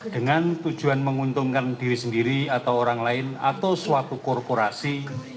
dengan tujuan menguntungkan diri sendiri atau orang lain atau suatu korporasi